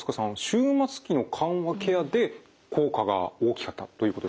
終末期の緩和ケアで効果が大きかったということですね？